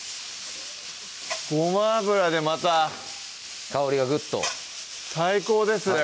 ごま油でまた香りがぐっと最高ですね